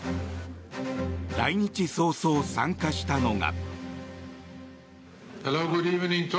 来日早々、参加したのが。